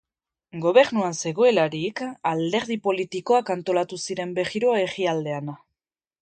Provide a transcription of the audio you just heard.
Gobernuan zegoelarik, alderdi politikoak antolatu ziren berriro herrialdean.